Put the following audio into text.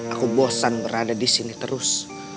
aku bosan berada disini terus